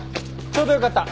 ちょうどよかった。